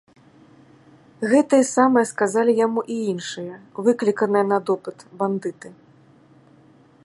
Гэтае самае сказалі яму і іншыя, выкліканыя на допыт, бандыты.